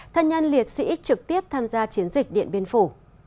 thân nhân liệt sĩ trực tiếp tham gia chiến dịch điện biên phủ